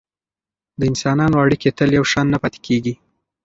د انسانانو اړیکې تل یو شان نه پاتې کیږي.